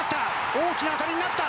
大きな当たりになった！